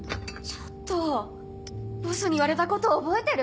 ちょっと⁉ボスに言われたこと覚えてる？